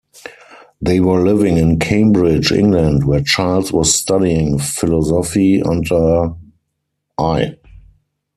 They were living in Cambridge, England, where Charles was studying philosophy under I.